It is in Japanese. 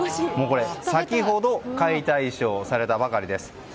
先ほど解体ショーをされたばかりです。